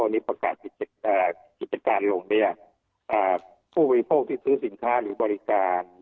นี่ประกาศกิจการลงเนี่ยผู้บริโภคที่ซื้อสินค้าหรือบริการ